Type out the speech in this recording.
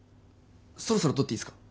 そろそろ撮っていいすか？